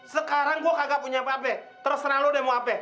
sekarang gue kagak punya apa apa terus noloh deh mau apa